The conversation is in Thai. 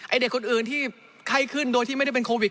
เด็กคนอื่นที่ไข้ขึ้นโดยที่ไม่ได้เป็นโควิด